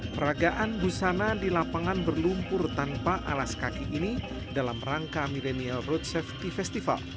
peragaan busana di lapangan berlumpur tanpa alas kaki ini dalam rangka millennial road safety festival